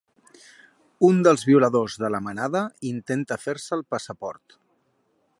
Un dels violadors de la Manada intenta fer-se el passaport